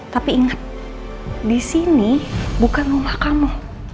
tapi ingat di sini bukan rumah kamu